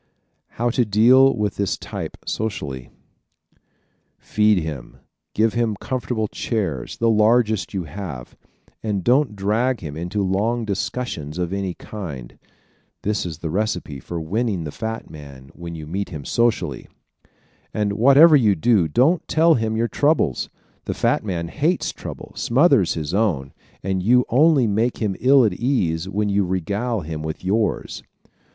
How to Deal with this Type Socially ¶ Feed him, give him comfortable chairs the largest you have and don't drag him into long discussions of any kind. This is the recipe for winning the fat man when you meet him socially. And whatever you do, don't tell him your troubles! The fat man hates trouble, smothers his own, and you only make him ill at ease when you regale him with yours.